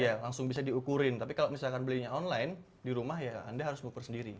iya langsung bisa diukurin tapi kalau misalkan belinya online di rumah ya anda harus bukur sendiri